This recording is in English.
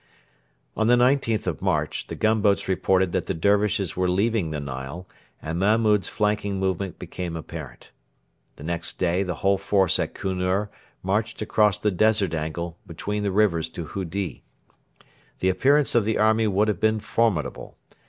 On the 19th of March the gunboats reported that the Dervishes were leaving the Nile, and Mahmud's flanking movement became apparent. The next day the whole force at Kunur marched across the desert angle between the rivers to Hudi. The appearance of the army would have been formidable.